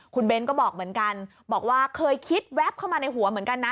คุณเบ้นก็บอกเหมือนกันบอกว่าเคยคิดแวบเข้ามาในหัวเหมือนกันนะ